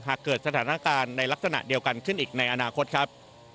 หากเกิดสถานการณ์ในลักษณะเดียวกันขึ้นอีกในอนาคตครับ